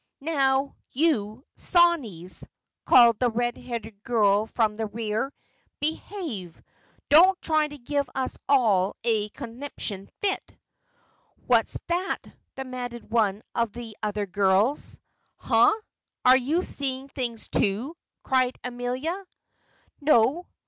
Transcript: "Now, you sawneys!" called the red haired girl from the rear. "Behave! Don't try to give us all a conniption fit." "What's that?" demanded one of the other girls. "Huh! are you seeing things, too?" cried Amelia. "No.